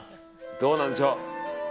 どうなんでしょう。